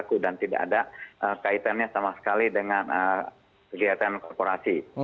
itu berlaku dan tidak ada kaitannya sama sekali dengan kegiatan korporasi